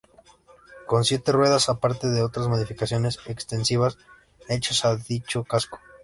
Con siete ruedas, aparte de otras modificaciones extensivas hechas a dicho casco.